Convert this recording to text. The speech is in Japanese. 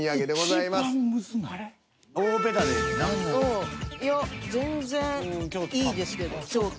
いや全然いいですけど京都。